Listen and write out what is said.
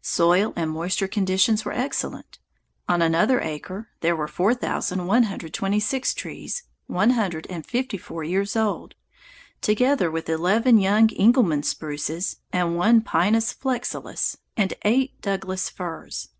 Soil and moisture conditions were excellent. On another acre there were 4126 trees one hundred and fifty four years old, together with eleven young Engelmann spruces and one Pinus flexilis and eight Douglas firs.